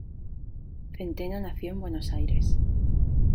Centeno nació en Buenos Aires.